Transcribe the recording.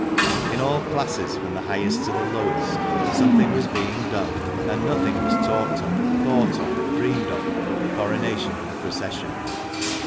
In all classes, from the highest to the lowest, something was being done, and nothing was talked of, thought of, dreamed of, but the coronation and the procession.